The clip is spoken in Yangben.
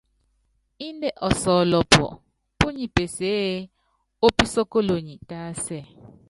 Índɛ ɔsɔlɔpɔ, púnyipeseé, opísókolonyi tásɛ.